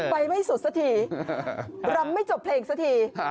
ไม่สุดสักทีรำไม่จบเพลงสักที